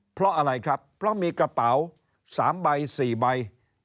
เพราะอะไรครับเพราะมีกระเป๋า๓ใบ๔ใบ